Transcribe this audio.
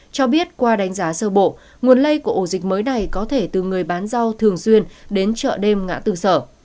cho biết qua đánh giá sơ bộ nguồn lây của ổ dịch mới này có thể từ người bán rau thường xuyên đến chợ đêm ngã tư sở